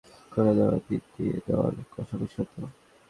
মাপ দেওয়ার এবং তারপর সেলাই করে দেওয়ার দিন নিয়ে দর-কষাকষি হতো।